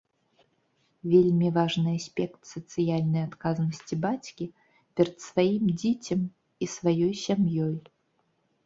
Вельмі важны аспект сацыяльнай адказнасці бацькі перад сваім дзіцем і сваёй сям'ёй.